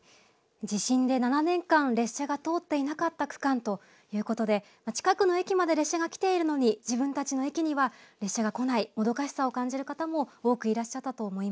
地震で７年間列車が通っていなかった区間ということで近くの駅まで列車が来ているのに自分たちの駅には列車が来ないもどかしさを感じる方も多くいらっしゃったと思います。